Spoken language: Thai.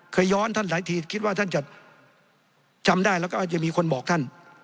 ย้อนท่านหลายทีคิดว่าท่านจะจำได้แล้วก็อาจจะมีคนบอกท่าน